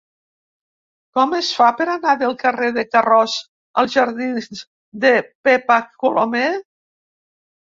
Com es fa per anar del carrer de Carroç als jardins de Pepa Colomer?